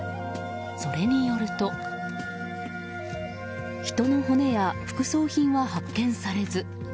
それによると人の骨や副葬品は発見されず。